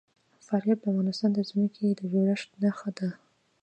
فاریاب د افغانستان د ځمکې د جوړښت نښه ده.